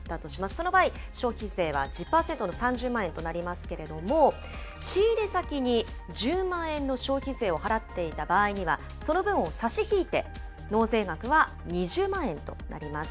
その場合、消費税は１０％の３０万円となりますけれども、仕入れ先に１０万円の消費税を払っていた場合には、その分を差し引いて納税額は２０万円となります。